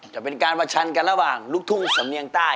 จะเป็นการประชันกันระหว่างลูกทุ่งสำเนียงใต้